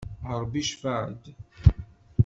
A Rebbi tcafεeḍ!